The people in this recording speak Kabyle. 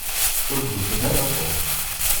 Ur d-ufin ara Tom.